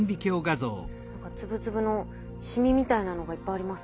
何か粒々のシミみたいなのがいっぱいありますね。